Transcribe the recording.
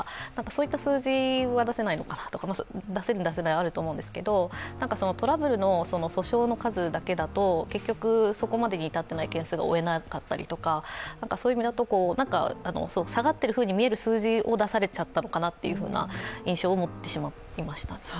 数字は出せないのかな出せる、出せないあると思うんですけど、トラブルの訴訟の数だけだと、そこまでに至っていない件数が追えなかったりとか、下がっているふうに見える数字を出されちゃったのかなという印象を持ってしまいましたね。